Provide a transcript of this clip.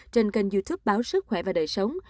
trên kênh youtube báo sức khỏe và đời sống